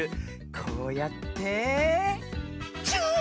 こうやってチュー！